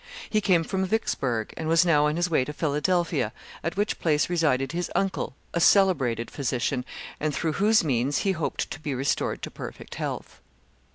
He came from Vicksburgh, and was now on his way to Philadelphia, at which place resided his uncle, a celebrated physician, and through whose means he hoped to be restored to perfect health.